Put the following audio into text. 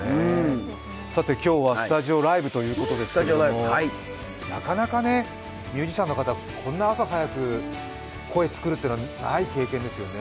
今日はスタジオライブということですけれども、なかなかミュージシャンの方、こんな朝早く声作るというのはない経験ですよね？